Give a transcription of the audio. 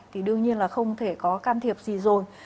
thì đương nhiên là không thể có can thiệp gì rồi